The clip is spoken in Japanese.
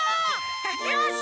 よし！